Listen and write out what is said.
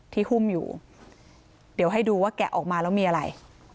หุ้มอยู่เดี๋ยวให้ดูว่าแกะออกมาแล้วมีอะไร